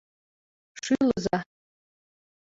Шӱлыза.